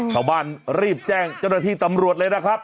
ชาวบ้านรีบแจ้งเจ้าหน้าที่ตำรวจเลยนะครับ